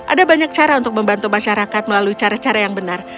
ada banyak cara untuk membantu masyarakat melalui cara cara yang benar